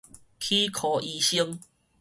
齒科醫生